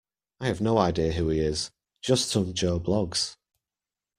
I've no idea who he is: just some Joe Bloggs